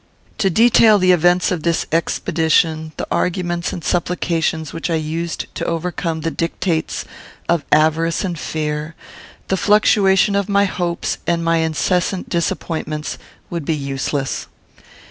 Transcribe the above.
To detail the events of this expedition, the arguments and supplications which I used to overcome the dictates of avarice and fear, the fluctuation of my hopes and my incessant disappointments, would be useless.